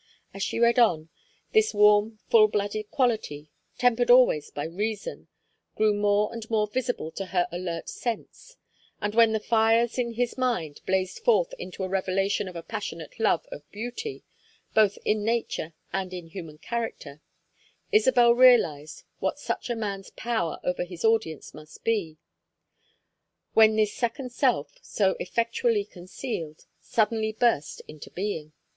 As she read on, this warm full blooded quality, tempered always by reason, grew more and more visible to her alert sense; and when the fires in his mind blazed forth into a revelation of a passionate love of beauty, both in nature and in human character, Isabel realized what such a man's power over his audience must be; when this second self, so effectually concealed, suddenly burst into being.